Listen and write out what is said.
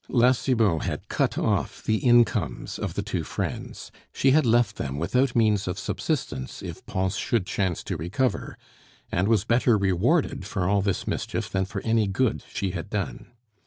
La Cibot had cut off the incomes of the two friends, she had left them without means of subsistence if Pons should chance to recover, and was better rewarded for all this mischief than for any good that she had done.